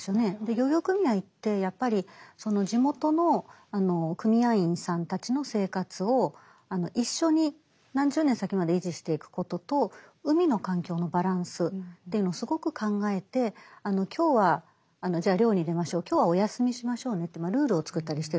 漁業組合ってやっぱりその地元の組合員さんたちの生活を一緒に何十年先まで維持していくことと海の環境のバランスというのをすごく考えて今日はじゃあ漁に出ましょう今日はお休みしましょうねってルールを作ったりしてるわけですね。